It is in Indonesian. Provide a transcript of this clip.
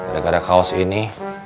gak ada kaos ini